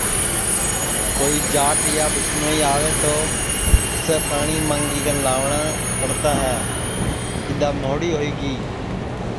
کوئی جاٹ یا ٻِسنوئی آوے تو اُسسے پاٹؔی مانگی کن لاوٹؔا پڑتا ہے اِدؔا مھوڑی ہوئی گی